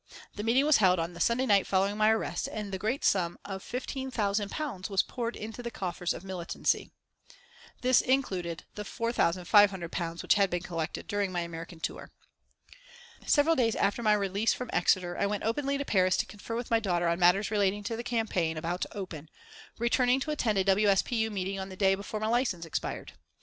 The meeting was held on the Sunday night following my arrest, and the great sum of £15,000 was poured into the coffers of militancy. This included the £4,500 which had been collected during my American tour. Several days after my release from Exeter I went openly to Paris to confer with my daughter on matters relating to the campaign about to open, returning to attend a W. S. P. U. meeting on the day before my license expired.